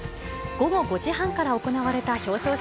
午後５時半から行われた表彰式。